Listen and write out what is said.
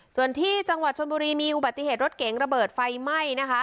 ส่วนที่จังหวัดชนบุรีมีอุบัติเหตุรถเก๋งระเบิดไฟไหม้นะคะ